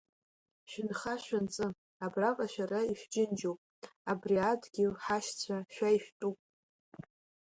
Шәынха-шәынҵы, абраҟа шәара ишәџьынџьуп, абри адгьыл, ҳашьцәа, шәа ишәтәуп.